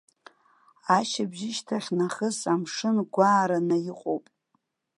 Ашьыбжьышьҭахь нахыс амшын гәаараны иҟоуп.